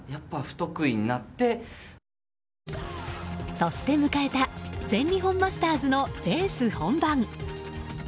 そして迎えた全日本マスターズのレース本番。